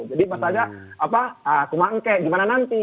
jadi pas ada kemangke gimana nanti